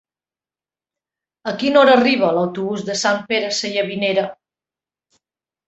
A quina hora arriba l'autobús de Sant Pere Sallavinera?